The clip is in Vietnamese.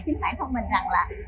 chính bản thân mình rằng là